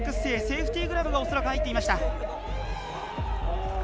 セーフティーグラブが恐らく入っていました。